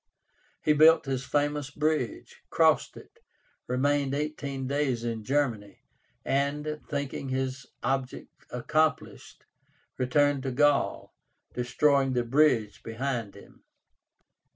He built his famous bridge, crossed it, remained eighteen days in Germany, and, thinking his object accomplished, returned to Gaul, destroying the bridge behind him.